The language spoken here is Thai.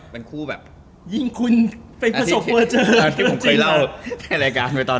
เพราะว่าพี่จักกี้เข้ามาทำงานก่อน